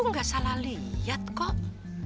aku gak salah lihat kok